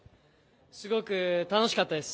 すごく楽しかったです。